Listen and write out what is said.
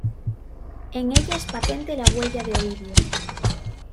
En ella es patente la huella de Ovidio.